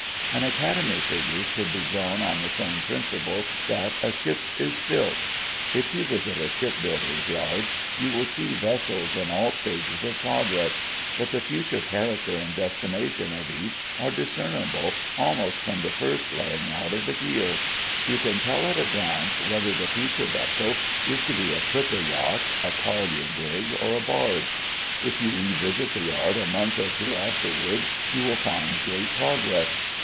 An Academy figure should be drawn on the same principle that a ship is built. If you visit a ship builder's yard you will see vessels in all stages of progress, but the future character and destination of each are discernible almost from the first laying down of the keel. You can tell at a glance whether the future vessel is to be a clipper yacht, a collier brig, or a barge. If you revisit the yard a month or two afterward, you will find great progress.